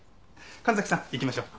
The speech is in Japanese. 神崎さん行きましょう。